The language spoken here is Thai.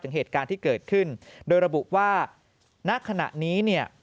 เหตุการณ์ที่เกิดขึ้นโดยระบุว่าณขณะนี้เนี่ย